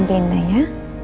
ini binda ya